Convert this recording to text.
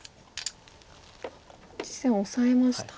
実戦オサえました。